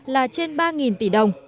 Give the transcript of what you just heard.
là trên ba tỷ đồng